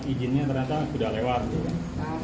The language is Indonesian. izinnya ternyata sudah lewat gitu kan